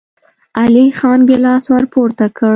علی خان ګيلاس ور پورته کړ.